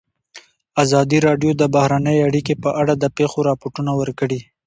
ازادي راډیو د بهرنۍ اړیکې په اړه د پېښو رپوټونه ورکړي.